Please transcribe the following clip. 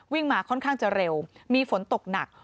มาค่อนข้างจะเร็วมีฝนตกหนัก